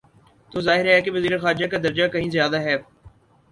تو ظاہر ہے کہ وزیر خارجہ کا درجہ کہیں زیادہ ہے۔